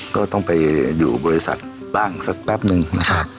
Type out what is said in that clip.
ก็ต้องไปอยู่บริษัทบ้างสักแป๊บนึงนะครับ